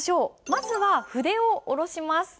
まずは筆を下ろします。